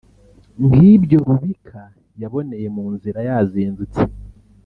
nk’ibyo Rubika yaboneye mu nzira yazindutse